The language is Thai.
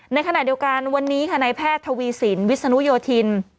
ในขณะเดียวกันวันนี้ค่ะในแพทย์ทวีสินวิศนุโยธิน